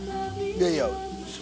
いやいや。